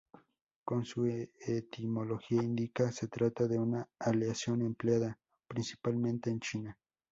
Como su etimología indica, se trata de una aleación empleada principalmente en China.